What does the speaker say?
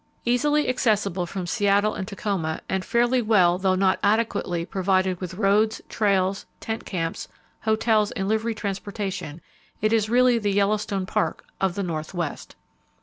Easily accessible from Seattle and Tacoma, and fairly well—though not adequately—provided with roads, trails, tent camps, hotels and livery transportation, it is really the Yellowstone Park of the Northwest.